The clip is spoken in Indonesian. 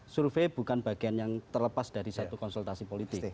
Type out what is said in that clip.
survei bukan bagian yang terlepas dari satu konsultasi politik